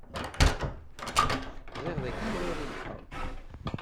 Ẓṛiɣ dakken ɣuṛ-i lḥeɣ.